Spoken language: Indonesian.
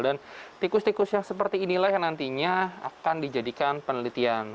dan tikus tikus yang seperti inilah yang nantinya akan dijadikan penelitian